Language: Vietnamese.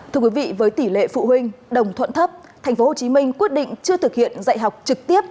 thưa quý vị với tỷ lệ phụ huynh đồng thuận thấp tp hcm quyết định chưa thực hiện dạy học trực tiếp